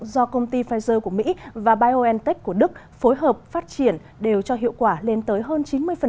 do công ty pfizer của mỹ và biontech của đức phối hợp phát triển đều cho hiệu quả lên tới hơn chín mươi